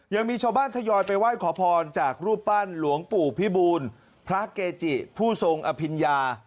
ยังมีชาวบ้านทยอยไปไหว้ขอพรจากรูปปั้นหลวงปู่พิบูลพระเกจิผู้ทรงอภิญญา